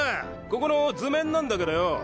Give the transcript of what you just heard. ここの図面なんだけどよ